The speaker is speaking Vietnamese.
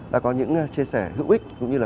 đã có những chia sẻ hữu ích cũng như là